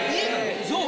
そう。